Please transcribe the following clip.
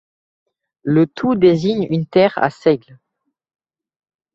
Le tout désigne une terre à seigle.